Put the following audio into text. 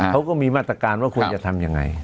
เขาก็มีมาตรการว่าควรจะทำยังไง